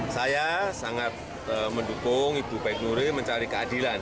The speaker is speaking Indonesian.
saya sangat mendukung ibu baik nuril mencari keadilan